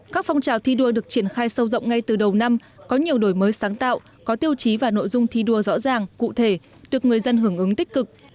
các phong trào thi đua được triển khai sâu rộng ngay từ đầu năm có nhiều đổi mới sáng tạo có tiêu chí và nội dung thi đua rõ ràng cụ thể được người dân hưởng ứng tích cực